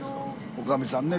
女将さんね